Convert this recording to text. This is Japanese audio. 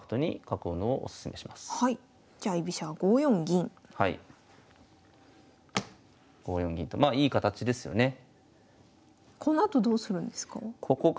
このあとどうするんですか？